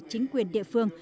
chính quyền địa phương